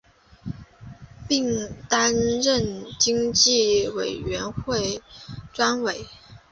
并担任经济委员会专委。